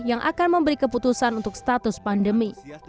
yang akan memberi keputusan untuk status pandemi